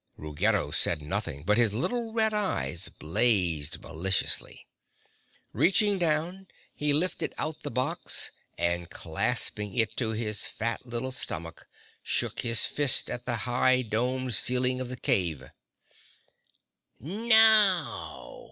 Ruggedo said nothing, but his little red eyes blazed maliciously. Reaching down, he lifted out the box and, clasping it to his fat little stomach, shook his fist at the high domed ceiling of the cave. "Now!"